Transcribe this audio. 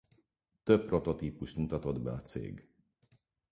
Több prototípust mutatott be a cég.